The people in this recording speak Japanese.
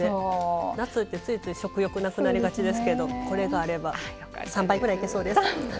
夏ってついつい食欲なくなりがちですけどこれがあれば３杯くらいいけそうです。